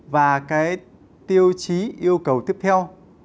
và cái tiêu chí yêu cầu tiếp theo